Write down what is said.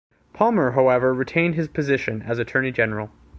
Palmer, however, retained his position as attorney general.